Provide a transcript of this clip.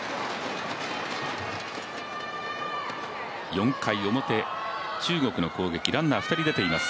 ４回表、中国の攻撃ランナー、２人出ています。